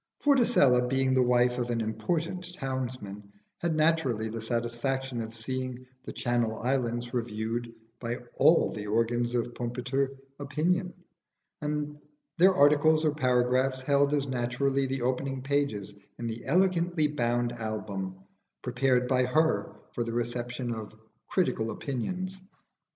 Vorticella being the wife of an important townsman had naturally the satisfaction of seeing 'The Channel Islands' reviewed by all the organs of Pumpiter opinion, and their articles or paragraphs held as naturally the opening pages in the elegantly bound album prepared by her for the reception of "critical opinions."